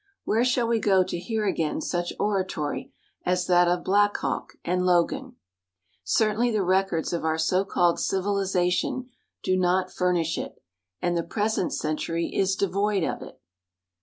Where shall we go to hear again such oratory as that of Black Hawk and Logan? Certainly the records of our so called civilization do not furnish it, and the present century is devoid of it.